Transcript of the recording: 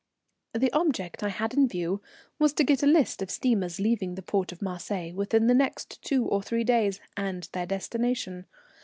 The object I had in view was to get a list of steamers leaving the port of Marseilles within the next two or three days, and their destination.